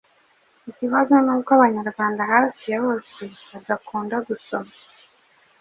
Ikibazo nuko abanyarwanda hafi ya bose badakunda gusoma.